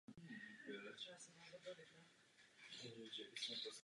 K jejímu dosažení je třeba útesy sestoupit.